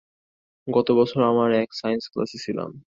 গতবছর আমরা একই সায়েন্স ক্লাসে ছিলাম।